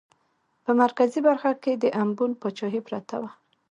په مرکزي برخه کې د امبون پاچاهي پرته وه.